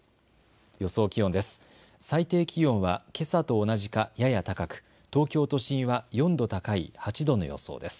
予想気温です。